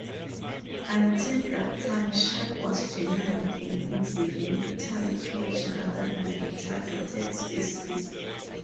Until that time, shark was generally an incidental catch rather than a targeted species.